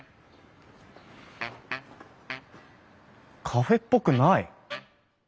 カフェっぽくない！